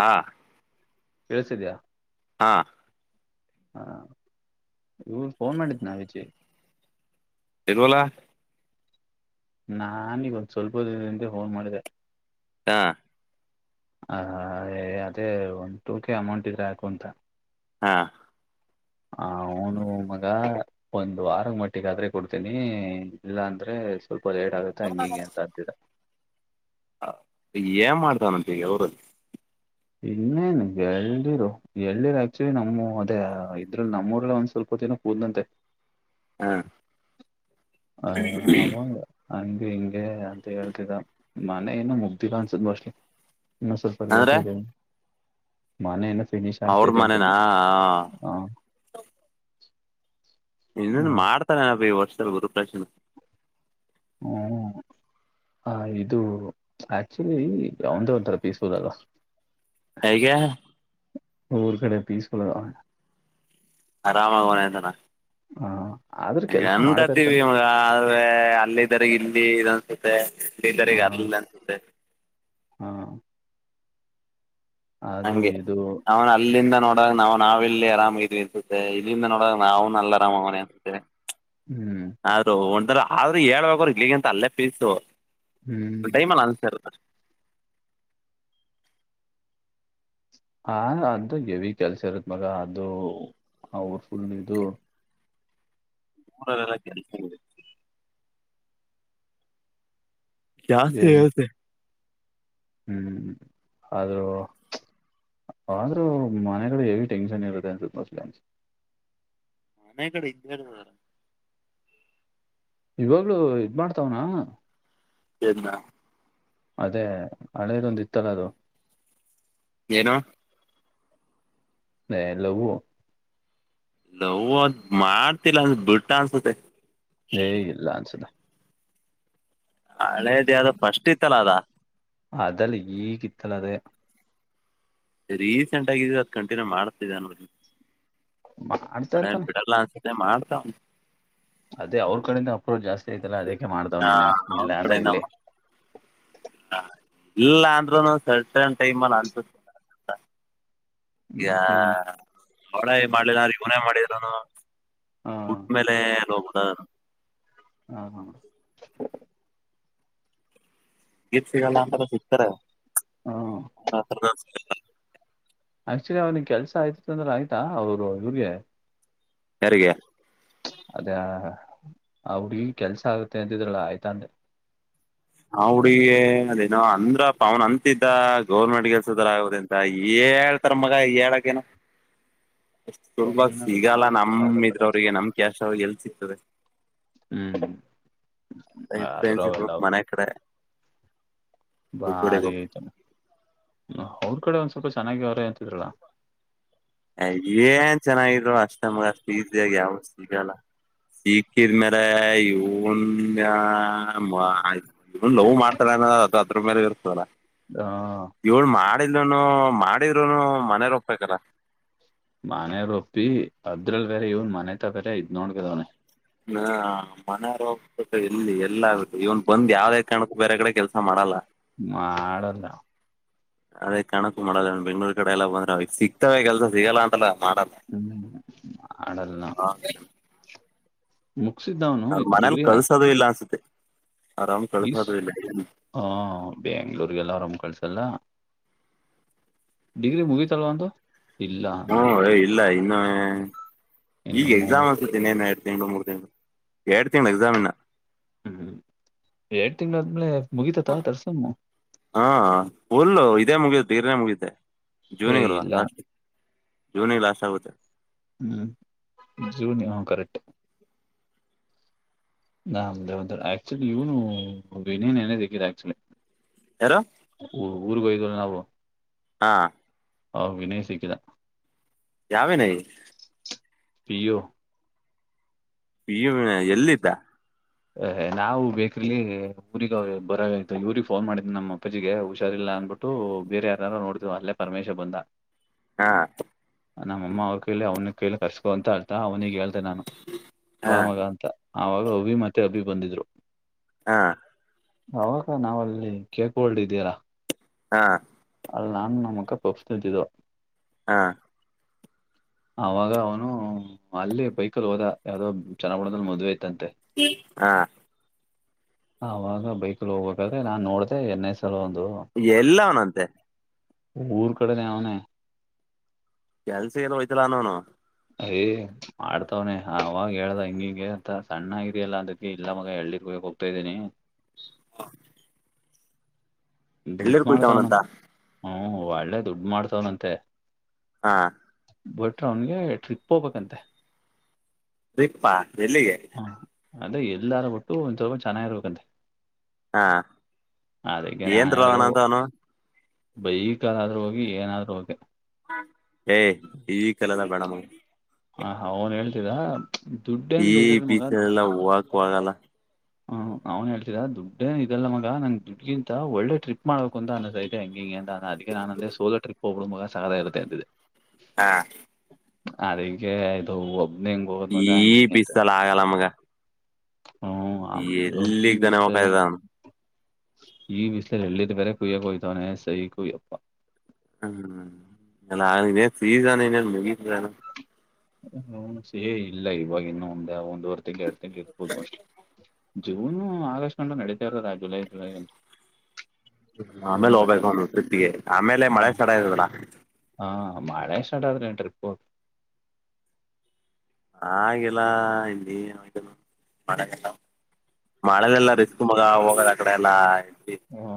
ಹಾ ಕೇಳ್ಸ್ತಿದ್ಯಾ. ಹಾ ಹಾ ಇವ್ನ್ ಫೋನ್ ಮಾಡಿದ್ನಾ ವಿಜಿ ಎದುವಲ ನಾನೀಗೊಂದ್ ಸ್ವಲ್ಪ ದಿನದಿಂದೆ ಫೋನ್ ಮಾಡಿದೆ. ಹಾ ಹ ಎ ಅದೇ ಒಂದು ಟೂ ಕೆ ಅಮೌಂಟ್ ಇದ್ರೆ ಹಾಕು ಅಂತ. ಹಾ ಹ ಅವ್ನು ಮಗ ಒಂದು ವಾರದ್ ಮಟ್ಟಿಗಾದ್ರೆ ಕೊಡ್ತೀನಿ ಇಲ್ಲ ಅಂದ್ರೆ ಸ್ವಲ್ಪ ಲೇಟ್ ಆಗ್ ತಂಗಿಗೆ ಅಂತ ಅಂತಿದ್ದ. ಈಗ್ ಏನ್ ಮಾಡ್ತಾನಂತ್ ಈಗ್ ಏವ್ರುದ್ ಇನ್ನೇನ್ ಎಳ್ಳಿರು ಎಳ್ಳಿರು ಆಕ್ಚುಲಿ ನಮ್ಮ ಅದೇ ಇದ್ರಲ್ಲಿ ನಮ್ಮೂರಲ್ ಒಂದ್ ಸ್ವಲ್ಪ ದಿನ ಓದ್ನಂತೆ ಹಾ ಅಯ್ಯೋ ಅದೆಂಗೆ ಹಂಗ ಹಿಂಗೆ ಅಂತ ಹೇಳ್ತಿದ್ದ ಮನೆ ಏನು ಮುಗ್ದಿಲ್ಲ ಅನ್ಸತ್ ಮೋಸ್ಟ್ಲಿ. ಇನ್ನ ಸ್ವಲ್ಪ ಲೇಟ್ ಅಂದ್ರೆ ಇದೆ ನಾನು ಇನ್ನ ಫಿನಿಷ್ ಅವ್ರ ಆಗ್ತಿದೆ ಅನ್ಸುತ್ ಮನೆನಾ ಮೋಸ್ಟ್ಲಿ ಹಾ ಇನ್ನೇನ್ ಮಾಡ್ತಾನೆ ಅಬಿ ಈ ವರ್ಷದಲ್ ಗುರು ಪ್ರವೇಷನ್ ಹ್ಮ ಹ ಇದು ಆಕ್ಚುಲಿ ಅವ್ನ್ದೆ ಒಂಥರ ಪೀಸ್ಫುಲ್ ಅಲ. ಹ ಈಗೇನು. ಊರ್ ಕಡೆ ಪೀಸ್ಫುಲ್ ಅಲ ಆರಾಮಾಗವ್ನೆ ಅಂತಾನ ಹಾ ಆದ್ರೂ ಕೆಲ್ಸ ಮಾಡ್ತ ಇರ್ತಾನ್. ಹಾ ವೆ ಅಲ್ಲಿದ್ದರಿಗ ಇಲ್ಲಿ ಇದ್ ಅನ್ಸುತ್ತೆ ಇಲ್ಲಿದ್ದರಿಗ್ ಅಲ್ ಅನ್ಸುತ್ತೆ. ಹಾ ಹಂಗೆ ಇದು ಅವ್ನ್ ಅಲ್ಲಿಂದ ನೋಡಾಗ್ ನಾವ್ ನಾವೆಲ್ಲಿ ಆರಾಮ ಇದ್ವಿ ಅನ್ಸುತ್ತೆ ಇಲ್ಲಿಂದ ನೋಡ್ವಾಗ್ ನಾವು ನ ಅಲ್ ಆರಾಮಾಗವ್ನೆ ಅನ್ಸತ್ತೆ. ಹ್ಮ್ ಆದರು ಒಂ ಆದ್ರರು ಹೇಳ್ಬೇಕ್ರ ಇಗಂತ ಅಲ್ಲೇ ಪೀಸು ಹ್ಮ್ ಒ ಟೈಮಲ್ಲಿ ಅನ್ಸರ್ ಹಾ ಅಂತ ಎವಿ ಕೆಲಸ ಇರುತ್ತ ಮಗ ಅದು ಅವರ್ಫುಲ್ ಇದು ಮೂರಲ್ಲ [unintelligible] ಜಾಸ್ತಿ ಹೆವಿ ಇರುತ್ತದೆ ಹ್ಮ್ ಅ [unintelligible] ಆದ್ರರು ಮನೆಗಡೆ ಹೆವಿ ಟೆನ್ಷನ್ ಇರರುತ್ತೆ ಅನ್ಸನ್ ಮನೆ ಕಡೆ ಇದ್ದದ ಇವಾಗ್ಲು ಇದ ಮಾಡ್ತಾವ್ನಾ ಎನ್ನ ಅದೇ ಹಳೇದೊಂದಿತ್ತಲ್ಲ ಅದು ಏನು ಹಲ್ಲವು ನವ ಅದ್ ಮಾಡ್ತಿಲ್ಲ ಅಂದ ಬಿಟ್ಟ ಅನ್ಸುತ್ತೆ ಏ ಇಲ್ಲಾನ್ಸಲ್ಲ ಹಳೆದೇ ಅದು ಪಫಸ್ಟ್ ಇತ್ತಲ್ಲ ಅದ ಅದೆಲ್ಲ ಈಗಿತ್ತಲ ಅದ ರೀಸೆಂಟ್ಗಿದ್ದ ಅದು ಕಂಟಿನ್ಯೂ ಮಾಡ್ತಿದೆ ಅನ್ನೋಲ್ಲಿ ಮ ನಣೇನ್ ಬಿಡಲ್ಲ ಅನ್ಸತ್ತೆ ಮಾಡ್ತಾವ [unintelligible] ಅದೇ ಅವ್ರ ಕಡಿಂದ ಅಪ್ರೋಚ್ ಜಾಸ್ತಿ ಆಐ್ತಲ್ಲಾ ಅದಕ್ಕೆ ಮಾಡ್ದಾವ್ ನೀನು ಇಲ್ಲ ಅಂದ್ರೆ ಇಲ್ಲಿ ಹ ಇಲ್ಲ ಅಂದ್ರುನು ಸರ್ಟನ್ ಟೈಮ್ ಅಲ್ಲಿ ಅನ್ಸ ಈ ಹ್ಮ್ ಹ್ಮ್ ಹೊಡ ಮಾಡ್ಲಿಲ್ಲ ಇನೇ ಮಾಡಿದ್ನು ಹ ಗುಟ್ ಮೇಲೆ ಲ್ಲ ನೋದ [unintelligible] ಹಾ ಹಾ ಗೀಪ್ ಸಿಗಲ್ಲ ಅಂತ ಸಿಗ್ತಾರೆ ಹ ಆಕ್ಚುಲಿ ಅವ್ರನಿಗೆ ಕೆಲಸ ಆಯ್ತಿತ್ತು ಅಂದ್ರೆ ಆಯ್ತಾ ಅವರು ಇವ್ರಿಗೆ ಯಾರಿಗೆ ಅದೇ ಅವ್ರಗ ಕೆಲ್ಸ ಆಗತ್ತೆ ಅಂತಿದ್ರಲ್ಲ ಆಯ್ತಾ ಅಂದ್ರೆ ಹ ಹುಡಗ ಅದೇನ ಅಂದ್ರ ಪವನ್ ಅಂತ ಇದ್ದ ಗೌರ್ಮೆಂಟ್ ಕೆಲ್ಸದರ ಆಗದಂತ ಹೇಳ್ತಾರ ಮಗ ಹೇಳಕ್ಕೇನು ತುಲ್ಂಬ ಸುಮ್ನೆ ಸಿಗಲ್ಲ ಮಾತ್ ನಮ ಬಿಸಾಕತರ ಇದ್ರ ಅಷ್ಟೇ ಅವಿಗೆ ಮಗ. ನಮ್ ಕ್ಯಾಶ್ ಅವಿಗೆ ಎಲ್ ಸಿಗ್ತದೆ ಹ್ಮ್ ಫ್ರೆಂಡ್ಸ್ ಅದರಲ್ಲ ಇರ್ಬೇಕು ಮನೆ ಕಡೆ ಬಾರಿ ದುಡ್ಡುಡಿಬೇಕು ಆಯ್ತ ಅವ್ರ ಕಡೆ ಒಂದ್ ಸ್ವಲ್ಪ ಚೆನ್ನಾಗಿ ಅವರೇ ಅಂತಿದ್ರಲ್ಲ ಏನ್ ಚೆನ್ನಾಗಿದ್ ಅಷ್ಟಮಗ ಅಷ್ಟ ಇದಾಗ ಯಾವ ಸಿಗಲ್ಲ ಸಿಕ್ಕಿದ ಮ್ಯಾರ ಇವನ್ ಇ ನೋವು ಮಾಡ್ತಾರಏನ ಅದು ಅದ್ರ ಮೇಲೆ ಇರ್ತದ ಹಾ ಏಳ್ ಮಾಡಲ್ನು ಮಾಡಿದ್ರುನು ಮನೆ ರ ಹೋಗ್ಬೇಕಾರ ಮನೆ ರೊಪ್ಪಿ ಅದ್ರಲ್ಲಿ ಬೇರೆ ಇವ್ನ್ ಮನೆತ ಬೇರೆ ಇದ್ ನೋಡ್ಗದವನ ಹಾ ಮನ ರೋಗ ಎಲ್ಲಿ ಎಲ್ಲ ಇವನ್ ಬಂದ್ ಯಾವ್ದೇ ಕಾರಣಕ್ಕ ಬೇರೆ ಕಡೆ ಕೆಲ್ಸ ಮಾಡಲ್ಲ ಮಾಡಲ್ಲ ಅದೇ ಕಣಕು ಮಾಡಲ್ಲ ಬೆಂಗಗಳೂರ್ ಕಡೆ ಎಲ್ಲ ಬಂದ್ರ ಸಿಗ್ತವೆ ಕೆಲಸ ಸಿಗಲ್ಲ ಅಂತಲ್ಲ ಮಾಡಲ್ಲ ಹ್ಮ ಆಡಲ್ಲಲ್ಲಾ ಅವನು ಅವ್ರ ಇ ಮನೇಲಿ ಡಿಗ್ರಿಯ ಕಳ್ಸೋದು ಇಲ್ಲ ಅನ್ಸುತ್ತೆ ಆರಾಮ್ ಈಸ್ ಕಳ್ಸೋದೂ ಇಲ್ಲ ಹ ಬೆ್ಯಾಂಗ್ಳೂರ್ಗೆಲ್ಲ ಆರಾಮ್ ಕಳ್ಸಲ್ಲ ಡಿಗ್ರಿ ಮುಗಿತಲ್ವ ಅವ್ನು ಇಲ್ಲ ಹ್ಮ್ ಇಲ್ಲ ಇನ್ನು ಇನ್ನು ಈಗ ಎಕ್ಸಾಮ್ ಆ ಮೂವತ್ ದನ್ನೇನ ಎರಡು ತಿಂಗಳು ಮೂರು ತಿಂಗಳು ಎರಡು ತಿಂಗಳು ಎಕ್ಸಾಮಿನ ಹ್ಮ್ ಎರಡ್ ತಿಂಗ್ಳ ಆದ್ಮೇಲೆ ಮುಗಿತತ ತರ್ಸಮ್ಮ ಹಾ ಹುಲ್ಲು ಇದೇ ಮುಗುತ್ತೆ ಗರ್ನೇ ಮುಗಿತೆ ಏ ಜವನಿ ಇಲ್ವಾ ಇಲ್ಲ ನಾಷ್ಟು ಜೂನಿಗೆ ಲಾಸ್ಟ್ ಆಗುತ್ತೆ ಹ್ಮಞ ಜೂನ ಹ ಕರೆಕ್ಟ್ ನಾೇವ ಆಕ್ಚುಲಿ ಇವನು ವಿನನ್ನೇ ದಕ್ಕಿದೆ ಆಕ್ಚುಲಿ ಯಾರೋ ಊರ್ಗ ಹೋಯ್ವಲ್ಲ ನಾವು ಹಾಂ ಹ ವಿನಯ್ ಸಿಕ್ಕಿದ ಯಾವ ವಿನಯ್ ಪಿಯು ಪಿಯು ವಿನಯ್ ಎಲ್ಲಿಿದ್ದ ಅಹ್ ನಾವು ಬೇಕ್ರಲ್ಲಿ ಊರಿಗೆ ಬರೋ ಆಯ್ತು ಇವಗ್ ಫೋನ್ ಮಾಡಿದ್ನಿ ನಮ್ಮ ಅಪ್ಪಾಜಿಗೆ ಹುಷಾರಿಲ್ಲ ಅಂದ್ಬಿಟ್ಟು ಬೇರೆ ಯಾರು ನೋಡ್ತೀವ ಅಲ್ಲೇ ಪರಮೇಶ ಬಂದ ಹಾ ನಮ್ಮಅಮ್ಮ ಅವ್ರು ಕೇಳಿ ಅವ್ನ ಕೇಳಿ ಕರ್ಸ್ಕೊ ಅಂತ ಹೇಳ್ತ ಅವ್ನಿಿಗೆ ಹೇಳ್ತೆ ನಾನು ಹಾ ಬಾ ಮಗ ಅಂತ ಆವಾಗ ಉಭಿಮತ್ತೆ ಅಬಿ ಬಂದಿದ್ರು ಹಾ ಅವಕ್ಕ ನಾವ್ ಅಲ್ಲಿ ಕೇಕ್ಲ್ಡ್ಿದ್ದೀರಾ ಹಾ ಅಲ್ಲಿ ನಾನು ನಮ್ಮಕ್ಕ ಪುಪ್ಸ್ ತಿಂತಿದ್ದೊ ಹಾಂ ಅವಾಗ ಅವನು ಅಲ್ಲಿ ಬೈಕಲ್ಲಿ ಹೋದ ಯಾವ್ದೋ ಚೆನ ಬುಣದಲ್ಲಿ ಮದ್ೆ ತಂತೆ ಹಾ ಅವಾಗ ಬೈಕಲ್ ಹೋಗ್ಬೇಕ್ರೆ ನಾನ್ ನೋಡ್ದ ಎನ್ೆ ಸಲ ಒಂದು ಎಲ್ಲ ಅವನಂತೆ ಊರ್ ಕಡೆನ ಅವ್ನೇ ಕೆಲ್ಸ ಇಲ್ಲ ಹೋ್ತಲ್ಲ ನೋನು ಅಯ ಮಾಡ್ತವ್ನನೆ ಅವಾಗ ಹೇಳ್ದ ಹಂಗಿಂಗೆ ಅ ಸಣ್ಣಗಿದಲ್ಲ ಅಂತಿ ಇಲ್ಲ ಮಗ ಎಳ್ಳಿರ್ಬೇಕ [unintelligible] ತಾ ಇದೀನಿ ಹಾ ದುಡ್ಡು ಮಾಡ್ತವನ ಹ ಒಳ್ಳೆ ದುಡ್ಡು ಮಾಡ್ತವನಂತೆ ಹಾಂ ಬಟ್ರ ಅವನ್ಗೆ ಟ್ರಿಪ್ ಹೋಗ್ಬೇಕಂತೆ ಪ್ಪಾ ಎಲ್ಲಿಗೆ ಹಾ ಅದೇ ಎಲ್ಲಾರು ಬಿಟ್ಟು ಒಂದ ಸ್ವಲ್ಪ ಚೆನ್ನಾಗಿರ್ಬೇಕಂತೆ ಹಾ ಅದಕ್ಕೆ ನಾನ್ ಏನ್ ಹೇಳ್ದೆ ಅವನ ಅಂತ ಅವನು ಬೈ ಕಾಲಾದ್ರೂ ಹೋಗಿ ಏನಾದ್ೂ ಹೋಗಿ ಏ್ ಈ ಕಾಲೆಲ್ಲ ಬೇಡ ಹ ಹ ಅವನ್ ಹೇಳ್ತಿದ್ದ ಈ ಬೀಸನೆಲ್ಲ ಹೂಕ್ುವಾಗಲ್ಲ ಹ್ ನಾವ್ನ್ ಹೇಳ್ತಿದಾ ದುಡ್ಡನ್ ಇದಲ್ಲ ನ ಮಗ ನನ್ ದುಡ್ಗಿಂತ ಒಳ್ಳೆ ಟ್ರಿಪ್ ಮಾಡಬೇಕು ಅಂತ ಅನ್ನಸೈತೆ ಹಂಗಿಂಗಗೆ ಅದಕ್ಕೆ ನಾನ ಅಂದ ಸೋಲೋ ಟ್ರಿಪ್ ಹೋಗಬ ಮಗ ಸಹಾದ ಇತ್ತೆ ಅಂತಂದಿದೆ ಹಾ ಅಿಗೆ ಆಯದು ಒಬ್ಬನ ಹೆಂಗ್ ಹೋದ್ ಮಗ ಹಂಗಿ ಹಂಗತೆ ಲಗಾಲಮಗೆ ಹ್ಮ ಆಮ ಹೋಗ ಎಲ್ಲಿಗ್ ತಾನೆ ಹೋಗ್ತಾ ಬಿಿಸ್ತರೆ ಇದ್ದಾನ ಈ ವಿಿಸಲ ಹೇಳಳ್ಳ ಬೇರೆ ಕೊಯ ತಾನೆ ಸ ಕೊಯ ಅಪ್ಪ ಹ್ಮ್ೇ ಫ್ರೀಸ್ಾನ ಇ ಮಗಾನ ಹ ಸೇ ಇಲ್ಲ ಇವಾಗ ಇನ್ನುೂ ಒಂದ ಒಂದುವರೆ ತಿಂ್ಗಳು ಎರಡು ತಿಂಗ್ಗಳು ಇರ್ಬೋದು ಮೋಸ್ಟ್ಲಿ ಜೂನು ಆಗಸ್ಟ್ ಅಂತಟ ನಡೀತಾ ಇರೋದಾ ಜುಲೈ ಜುಲೈಂ ಹ ಆಮೇಲೆ ಹೋಗ್ಬೇಕು ಅವನು ತೃಪ್ಿಗೆ ಆಮೇಲೆ ಮಳೆ ಹ ಸ್ಥರ ಇರದಲ್ಲಾ ಹಾ ಮಾಳೆ ಸ್ಟಾರ್ಟ್ ಆದ ರೀ ಟ್ರಿಪ್ಪು ಆಿಲ್ಲ ಇಲ್ಲಿ ಮಾಡ ಮಳೆಲೆಲ್ಲ ರಿಸ್ಕ್ ಮಗ ಹೋಗದ ಆಕಡೆ ಎಲ್ಲಾ ಹಾ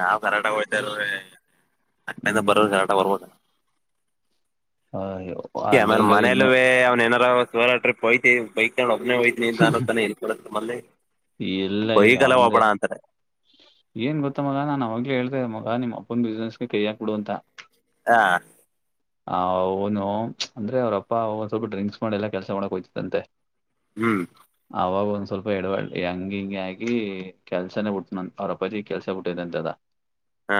ನಾವವು ಕರಾಟ ಹೊೋತಾರೀ ಅಡಿಂದ ಹ್ಮ್ ಬರೋರು ಕರಾಟ ಬರ್ಬೋದ ಹಯೋ ಆಮೇ ಮನೇಲೇ ಅವ್ ನಾರೋ ಸರ ಟ್ರಿಪ್ ಹಯ್ತಿ ಬೈಕ್ ಒಬ್ಬನೆೇ ಹಯ್ತನಿ ಅನತಾನೆ ಇ ಇಡಮ್ಮಲ್ಲಿ ಎಲ್ಲ ಈಗ ಅವಂದ ಏನ್ ಗೊತ್ತ ಮಗ ನಾನ್ ಅವಾಗಲ ಹೇಳ್ತೇ ಮ ನಿಮಮ್ಮ ಅಪ್ಪೊ ಬಿಸ್ನೆಸ್ಗೆೈ ಹಾಕ್ಬ ಬಿಡು ಅಂತ ಹಾ ಆ ಅವನು ಅಂದ್ರೆ ಅವ್ರಪ್ಪ ಅವ ಸ್ವಲ್ಪ ಡ್ರಿಂಕ್ಸ್ ಮಾಡ ಎಲ್ಲ ಕೆಲಸ ಮಾಡಕ್ ಹಯ್ತಿದ್ದಂತೆ ಹ್ಮ್ ಅವಾಗ ಒಂದ್ ಸ್ವಲ್ಪ ಎಡವಾಡ್ ಹಂಗ ಹಿಂಗ ಆಗಿ ಕೆಲ್ಸನೇ ಹಟ್ತನ ಅವ್ರಪ್ಪ ಪತಿ ಕೆಲ್ಸ ಬಿಟ್ಟಿದೆ ಅಂತದ ಹಾ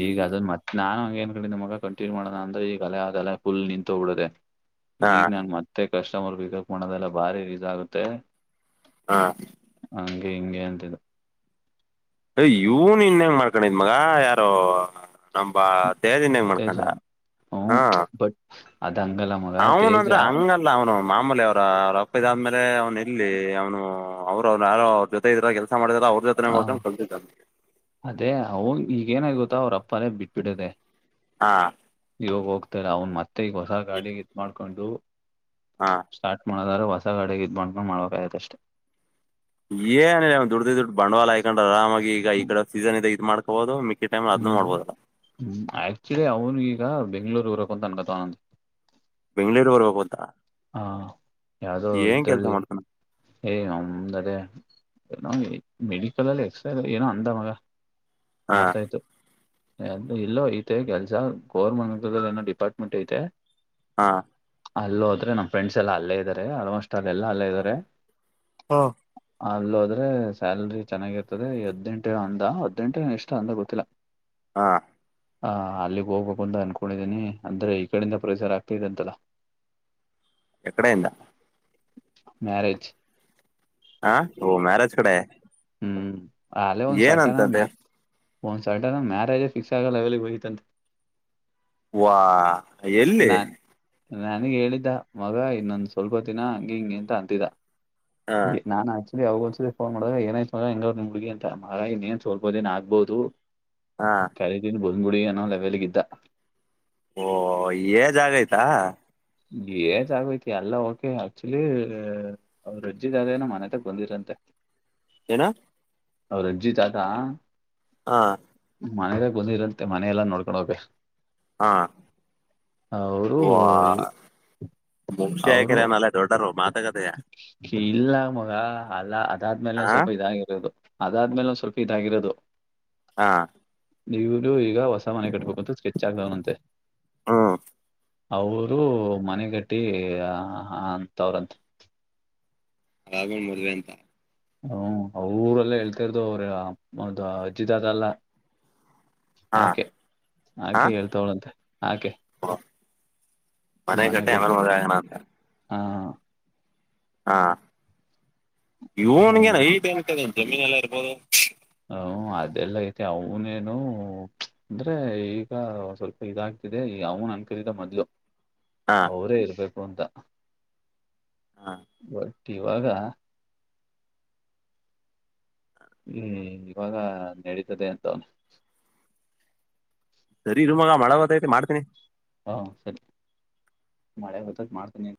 ಈಗ ಅದದು ಮತ್ತ ನಾನು ಹ ಏನ್ ಕಡೆದ ಮಗ ಕ ಏನ್ ಮಾಡೋದ ಅಂದ್ರೆ ಈಗ ಅಲೆ ಅದೆಲೆ ಫುಲ್ ನಿಂತು ಬಿಡದೆ ಹಾ ಈಗ ನಾನ್ ಮತ್ತೆ ಕಸ್ಟಮರ್ ಪಿಕಪ್ ಮಾಡೋದೆಲ್ಲ ಭಾರಿ ಇದಾಗುತ್ತೆ ಹಾ ಹಂಗೆ ಹಿಂಗೆ ಅಂತಿದ್ದು ಯ ಇವನ್ ಇವ್ನ ಹೆಂಗ್ ಮಾಡ್ಕೊಂಡಿದ್ ಮಗ ಯಾರೋ ನಂಬ ದಹದನ್ ಹೆಂ ಮಾಡ್ಕೊಂಡ ಹಾಂ ಅದಂಗಲ ಮುಗ ತೇಜಾ ಅಲ್ಲ ಅವನು ಮಾಮೂಲಿ ಅವರ ಅವ್ರ ಅಪ್ಪ ಇದಾದ್ಮೇಲೆ ಅವನು ಎಲ್ಲಿ ಅವನು ಅವ್ ಅವ್ ಯಾರ ಅವ ಜೊ ಇದಾರ ಕೆಲಸ ಮಾಡಿದಾರ ಅವ್ರ ಜೊತೆನೇ ಹ ಮಾಡ ಕತ ಅದೇ ಅವ್ ಈಗ ಏನ ಆಗತ್ತ ಅವ್ರಪ್ಪನೇ ಬಿಟ್ಬಿಡದೆೇ ಹಾಂ ಇವ ಹೋಗ್ತರ ಅವನು ಮತ್ತೆ ಈಗ ಹೊಸ ಗಾಡಿಗಿತ್ಡ್ಕೊಂಡು ಹಾ ಸ್ಟಾರ್ಟ್ ಮಾಡದ್ರೆ ಹೊಸಗಡೆಗೆ ಇದ್ ಬ್ಕೊಂಡ್ ಮಾಡಬೇಕ ಆ್ತ ಅಷ್ಟೆ ಏನ ದುಡ್ಡ್ದ ದುಡ್ ಬಂಡವಾಳ ಹಯ್ಕೊಂಡ್ರ ಆರಾಮಾಗಿ ಈಗ ಈ ಹ್ಮ್ ಕಡೆ ಸೀಸನ್ ಇದದೆ ಇದ ಮಾಡ್ಕೋಬಹದು ಹ್ಮ್ ಹ್ಮ್ ಆಕ್ಚುಲಿ ಅವ್ನು ಈಗ ಬೆಂಗ್ಳೂರು ಊರಕ್ತ ಅನ್ಕತ ಆನಂದ ಬೆಂಗ್ಳೂರುವರು ಹೋಗಬೋದಾ ಹ ಯಾವ್ದೋ ಇದ್ರಲ್ಲಿ ಮಾಡ್ತಾನ ಏ ಒಂದರೆ ನಗೆ ಮೆಡಿಕಲಲ್ಲಿ ಎಕ್ಸ ಏನೋ ಅಂದವಾಗ ಹಾ ಮರ್ತಾ ಹೋಯಿತು ಎ ಇಲ್ಲೋ ಐತೆ ಕೆಲ್ಸ ಗೋರ್ಮೆಟ್ ಏನೋ ಡಿಪಾರ್ಟ್ಮೆಂಟ್ ಐತೆ ಹಾ ಅಲ್ಲ ಹೋದ್ರೆ ನಮ್ಮ ಫ್ರೆಂಡ್ಸ್ ಎಲ್ಲ ಅಲ್ಲೇ ಇದ್ದಾರೆ ಆಲ್ಮೋಸ್ಟ್ ಅಲ್ಲೆಲ್ಲ ಅಲ್ಲೇ ಇದ್ದಾರೆ ಹಾ ಅಲ್ಲ ಹೋದ್ರೆ ಸ್ಯಾಲ್ರಿ ಚೆನ್ನಾಗಿರ್ತದೆ ಹದ್ನೆಂಟೆ ಅಂದ ಹದ್ನೆಂಟೆ ಎಷ್ಟ ಅಂದ ಗೊತ್ತಿಲ್ಲ ಹಾ ಹ ಅಲ್ಲಿಗ್ ಹೋಗ್ಬೇಕುಂದ ಅನ್ಕೊಂಡಿದ್ದೀನಿ ಅಂದ್ರೆ ಈ ಕಡಿಂದ ಪರಿಸರ ಆಗ್ತಿದೆ ಅಂತಲ್ಲ ಎಕಡೈಂದ ಮ್ಯಾರೇಜ್ ಹಾ ಓ ಮ್ಯಾರೇಜ್ ಕಡೆ ಹ್ಮ್ ಅಲ ಒಂದು ಸರ್ಟನ ಏನಂತಂತೆ ಮ ಒಂದ್ ಸರ್ಟನ್ ಮ್ಯಾರೇಜ ಫಿಕ್ಸ್ ಆಗಲ್ಲ ಅವವೆಲ್ಲಿಗೆ ಹೋಗಯತಂತೆ ವಾ ಎಲ್ಲಿ ನಾನ್ ನನಗ್ ಹೇಳಿದ್ದ ಮಗ ಇನ್ನೊ ಸ್ವಲ್ಪ ದಿನ ಹಂಗಿ ಹಿಂಗೆ ಅಂತ ಅಂತಿದ್ದ ಹ ನಾ ಆಕ್ಚುಲಿ ಅವಾಗೋಲ್ಸ ಪೋನ್ ಮಾಡೋಗ ಏನ ಸ ಹೆಂಗ್ ನಿಮ್ಮ ಹುಡುಗಿ ಅ ಮಾರಾಗಿನ್ ಸೋಲ್ಬೋದ ಏನ್ ಆಗ್ಬಹುದು ಹಾ ಕರೆದಿದ್ರು ಬಂದ್ಬುಡಿ ಎನ್ನು ಲೆವೆಲಲ್ಲಿದ್ದ ಓಹ ಏ ಜಾಗ ಆಯ್ತಾ ಏ ಜಾಗೈತಿ ಎಲ್ಲ ಓಕೆ ಆಕ್ಚುಲಿ ಅವ್ರು ರಜ್ಜಿದ ಆದೇಏನೋ ಮನೆತಕ್ ಬಂದಿರಂತೆ ಏನಾ ಅವ್ರ ಅಜ್ಜಿತ್ ಆತ ಹಾ ಮನೆದಾಗ ಬಂದಿರಂತೆ ಮನೆ ಎಲ್ಲಾ ನೋಡ್ಕೊಂಡೋಗಿ ಹ ಅವರು ಮುಕ್ಷಿ ಅವರು ಹಾಕರನಲ್ಲೇ ದೊಡ್ಡರು ಮಾತಾಗದೆಯ ಇಲ್ಲ ಮಗ ಅಲ್ಲ ಅದಾದ್ಮೇಲೆ ಒಂದ್ ಹ ಸ್ವಲ್ಪ ಇದಾಗಿರೋದು ಅದಾದ್ಮೇಲೆ ಒಂದ ಸ್ವಲ್ಪ ಇದಾಗಿರೋದು ಹಾ ನೀವನು ಈಗ ಹೊಸ ಮನೆ ಕಟ್ಬೇಕು ಅಂತೂ ಸ್ಕೆಚ್ ಆಗದವನಂತೆ ಹ್ಮ್ ಅವರು ಮನೆಗಟ್ಟಿ ಅಂತ ಅವ್ರಂತ ರಾಘವಣ್ ಮದುವೆ ಅಂತ ಹ್ಮ ಅವರಲ್ಲ ಹೇಳ್ತರ್ದು ಅವ್ರ ಅದು ಅಜಿತ್ಅದಲ್ಲ ಹ ಆಕೆ ಹ ಆಕೆ ಹೇಳ್ತವಳಂತೆ ಆಕೆ ಮನೆ ಕಟ್ಟ ಯಮನು ಮದಾಗಣ ಅಂತ ಹಾ ಹಾ ಇವನ್ಗೇನ್ ಹಾಗೆ ಐತ ಅನ್ತ ಜಮೀನ್ ಎಲ್ಲ ಇರ್ಬೋದು ಹ ಅದೆಲ್ಲ ಐತೆ ಅವನೇನು ಅಂದ್ರೆ ಈಗ ಸ್ವಲ್ಪ ಇದಾಗ್ತಿದೆ ಅವನು ಅನ್ ಕರೀದ ಮದ್ಲು ಹಾ ಅವರೇ ಇರ್ಬೇಕು ಅಂತ ಹ ಬಟ್ ಇವಾಗ ಹ್ಮ್ ಇವಾಗ ನಡೀತದೆ ಅಂತ ಅವ್ನು ಸರಿ ನಿ ಮಗ ಮಾಡಳಬತೈಐತಿ ಮಾಡ್ತನಿ ಹಾ ಸರಿ ಮಳೆ ಗೊತ್ತಕ್ಕೆ ಮಾಡ್ತೀನಿ